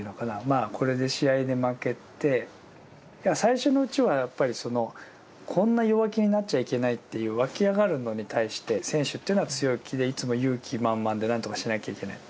まあこれで試合で負けて最初のうちはやっぱりそのこんな弱気になっちゃいけないっていう湧き上がるのに対して選手っていうのは強気でいつも勇気満々で何とかしなきゃいけない。